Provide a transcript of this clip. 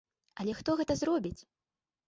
Але хто гэта зробіць?